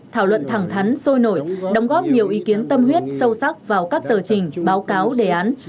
thảo luận thẳng thắn sôi nổi đóng góp nhiều ý kiến tâm huyết sâu sắc vào các tờ trình báo cáo đề án